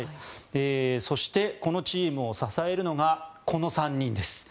そして、このチームを支えるのがこの３人です。